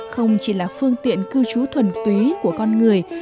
không chỉ là phương tiện cư trú thuần túy của con người